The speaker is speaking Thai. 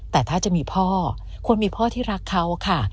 แต่ถ้าจะมีพ่อควรมีพ่อที่รักเขาค่ะ